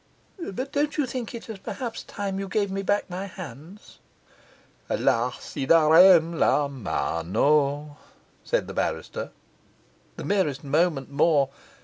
'But don't you think it's perhaps time you gave me back my hands?' 'La ci darem la mano,' said the barrister, 'the merest moment more!